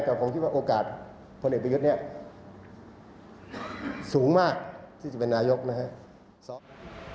แต่ผมคิดว่าโอกาสพลเอกประยุทธ์เนี่ยสูงมากที่จะเป็นนายกนะครับ